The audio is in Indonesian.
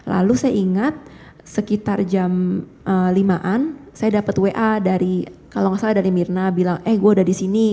lalu saya ingat sekitar jam lima an saya dapat wa dari kalau nggak salah dari mirna bilang eh gue udah di sini